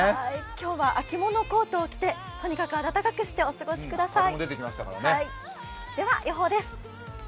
今日は秋物コートを着てとにかく暖かくしてください。